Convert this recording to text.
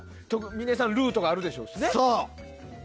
峰さんルートがあるでしょうしね。